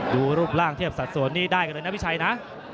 ดูรูปร่างเทียบสัตว์ส่วนนี้ได้เลยนะพิชัยนะ